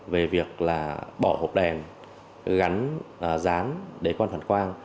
về việc là bỏ hộp đèn gắn dán để quan phản quang